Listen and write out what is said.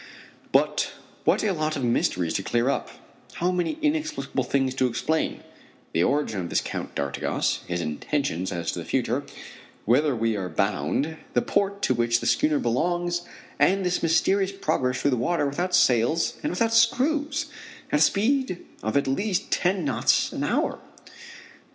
But what a lot of mysteries to clear up, how many inexplicable things to explain the origin of this d'Artigas, his intentions as to the future, whither we are bound, the port to which the schooner belongs, and this mysterious progress through the water without sails and without screws, at a speed of at least ten knots an hour!